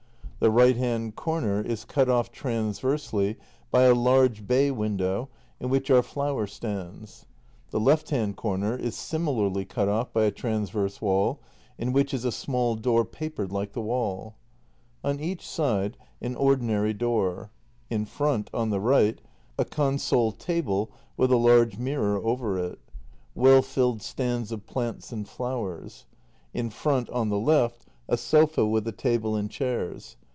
The right hand corner is cut off transversely by a large bay window, in which are flower stands. The left hand corner is similarly cut off by a transverse wall, in which is a small door pa pered like the ivall. On each side, an ordinary door. In front, on the right, a console table with a large mir ror over it. Well filled stands of plants and flowers. In front, on the left, a sofa ivith a table and chairs.